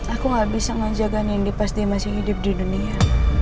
aku gak bisa ngejaga nindi pas dia masih hidup di dunia